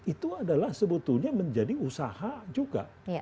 itu adalah sebetulnya menjadi usaha juga